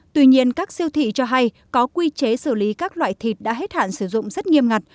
tuy nhiên các siêu thị cho hay có quy chế xử lý các loại thịt đã hết hạn sử dụng rất nghiêm ngặt